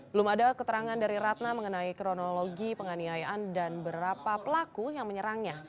belum ada keterangan dari ratna mengenai kronologi penganiayaan dan berapa pelaku yang menyerangnya